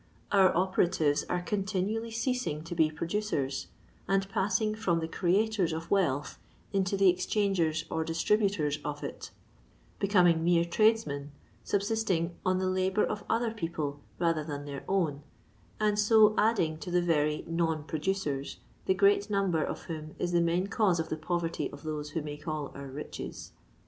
Our ope ratives are continually ceasing to be producers, and passing from the creators of wealth into the exchangers or distributors of it; becoming mere tradesmen, subsisting on the labour of other people rather than their own, and so adding to the very non producers, the great number of whom is the main cause of the poverty of those who make all our riches.